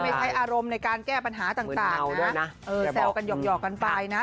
ใช้อารมณ์ในการแก้ปัญหาต่างนะแซวกันหยอกกันไปนะ